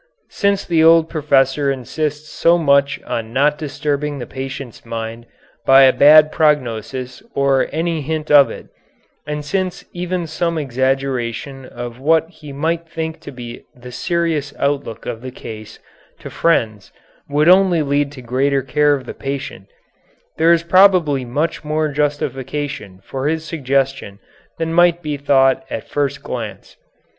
Since the old professor insists so much on not disturbing the patient's mind by a bad prognosis or any hint of it, and since even some exaggeration of what he might think to be the serious outlook of the case to friends would only lead to greater care of the patient, there is probably much more justification for his suggestion than might be thought at first glance.